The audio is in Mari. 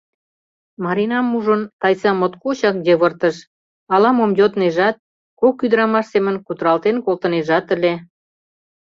Маринам ужын, Тайса моткочак йывыртыш, ала-мом йоднежат, кок ӱдырамаш семын кутыралтен колтынежат ыле.